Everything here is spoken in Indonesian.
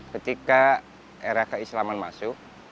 ketika era keislaman masuk